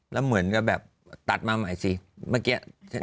แล้วเหมือนกันแบบตัดมาใหม่สิ